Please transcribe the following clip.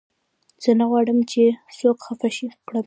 زه نه غواړم، چي څوک خفه کړم.